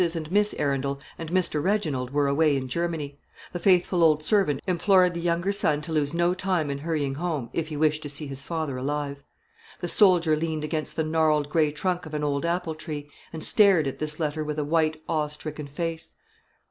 and Miss Arundel and Mr. Reginald were away in Germany. The faithful old servant implored the younger son to lose no time in hurrying home, if he wished to see his father alive. The soldier leaned against the gnarled grey trunk of an old apple tree, and stared at this letter with a white awe stricken face.